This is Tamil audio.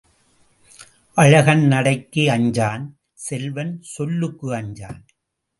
அழகன் நடைக்கு அஞ்சான் செல்வன் சொல்லுக்கு அஞ்சான்.